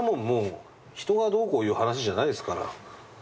もう人がどうこういう話じゃないですから。